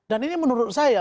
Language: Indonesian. dan ini menurut saya